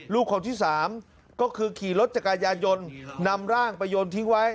ลูกคนที่๓ก็คือขี่รถจักรยานยนต์นำร่างไปโยนทิ้งไว้